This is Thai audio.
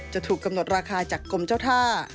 จะถูกกำหนดราคาจากกรมเจ้าท่า